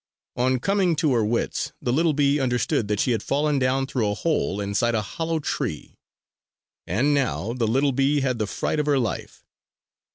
On coming to her wits the little bee understood that she had fallen down through a hole inside a hollow tree. And now the little bee had the fright of her life.